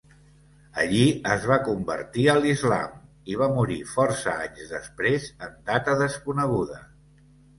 Allí es va convertir a l'islam i va morir força anys després en data desconeguda.